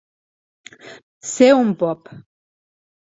Ser un pop.